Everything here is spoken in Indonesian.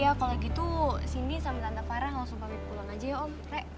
ya kalau gitu sindi sama tante farah langsung pamit pulang aja ya om